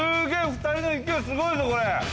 ２人の勢いすごいぞこれ。